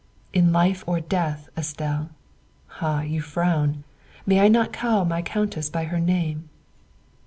" In life or death, Estelle. Ah, you frown. May I not call my Countess by her name?"